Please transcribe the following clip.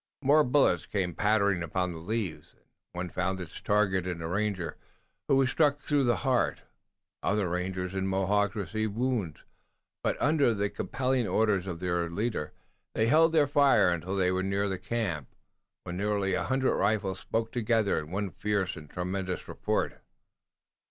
More bullets came pattering upon the leaves, and one found its target in a ranger who was struck through the heart. Other rangers and Mohawks received wounds, but under the compelling orders of their leaders they held their fire until they were near the camp, when nearly a hundred rifles spoke together in one fierce and tremendous report.